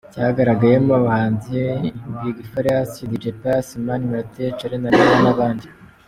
Cyagaragayemo abahanzi Big Farious, Dj Pius, Mani Martin, Charly na Nina n’abandi.